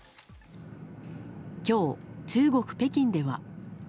今日、中国・北京では。